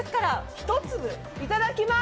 一粒いただきます。